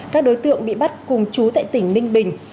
các đối tượng bị bắt cùng chú tại tỉnh ninh bình